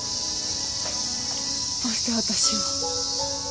どうして私を？